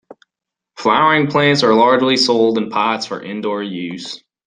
Flowering plants are largely sold in pots for indoor use.